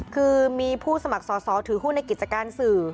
คือมีผู้สมัครสอสอถือหุ้นในกิจการสื่อ